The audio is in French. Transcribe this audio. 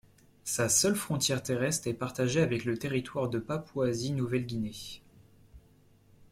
Sa seule frontière terrestre est partagée avec le territoire de Papouasie-Nouvelle-Guinée.